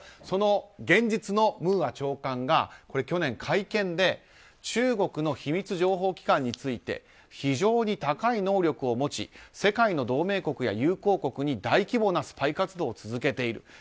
この現実のムーア長官が去年会見で中国の秘密情報機関について非常に高い能力を持ち世界の同盟国や友好国に大規模なスパイ活動を続けている。